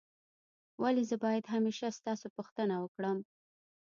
ولي زه باید همېشه ستاسو پوښتنه وکړم؟